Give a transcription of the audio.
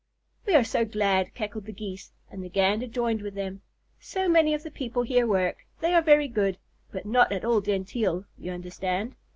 "We are so glad," cackled the Geese, and the Gander joined with them. "So many of the people here work. They are very good, but not at all genteel, you understand."